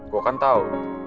gue kan tau